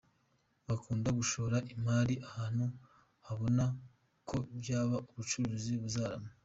Bakunda gushora imari ahantu babona ko byaba ubucuruzi buzaramba.